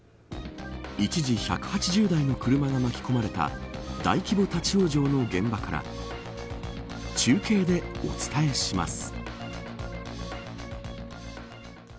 一時、１８０台の車が巻き込まれた大規模立ち往生の現場から中継でお伝えします。